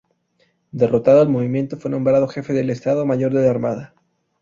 Derrotado el movimiento, fue nombrado Jefe del Estado Mayor de la Armada.